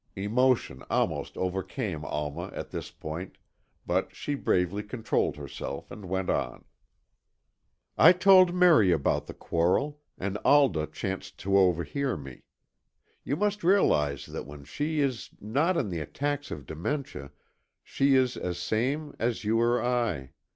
Emotion almost overcame Alma at this point, but she bravely controlled herself and went on. "I told Merry about the quarrel, and Alda chanced to overhear me. You must realize that when she is not in the attacks of dementia she is as sane as you or I.